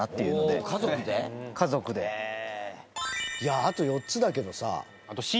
裕二：あと４つだけどさ。